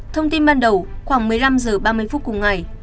thông tin ban đầu khoảng một mươi năm h ba mươi phút cùng ngày